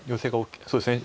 そうですね